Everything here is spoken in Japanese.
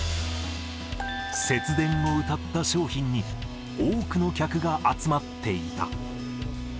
節電をうたった商品に、多くの客が集まっていた。